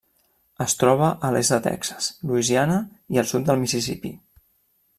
Es troba a l'est de Texas, Louisiana i el sud de Mississipí.